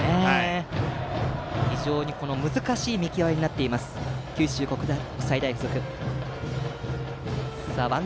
非常に難しい見極めになっている九州国際大付属。